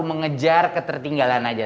mengejar ketertinggalan saja